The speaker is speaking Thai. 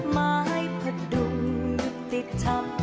มาให้พระดุมยุติธรรม